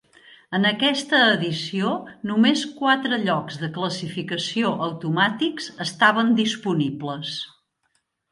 En aquesta edició només quatre llocs de classificació automàtics estaven disponibles.